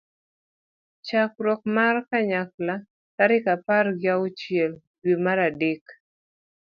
chokruok mar kanyakla tarik apar gi auchiel dwe mar adek